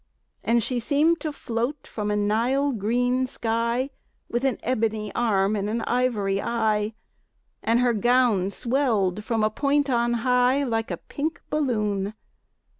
And she seemed to float from a Nile green sky, With an ebony arm and an ivory eye, And her gown swelled from a point on high, Like a pink balloon.